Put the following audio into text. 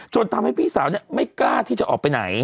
ทำให้พี่สาวไม่กล้าที่จะออกไปไหน